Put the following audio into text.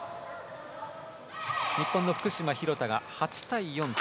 日本の福島、廣田が８対４と